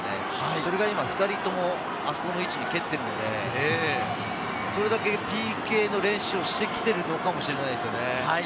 それが２人ともあそこの位置に蹴っているので、それだけＰＫの練習をしてきているのかもしれないですよね。